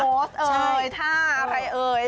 โพสต์เอ่ยท่าอะไรเอ่ย